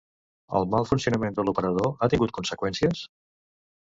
El mal funcionament de l'operador ha tingut conseqüències?